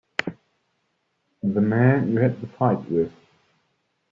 The man you had the fight with.